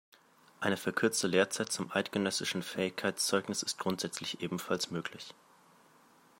Eine verkürzte Lehrzeit zum Eidgenössischen Fähigkeitszeugnis ist grundsätzlich ebenfalls möglich.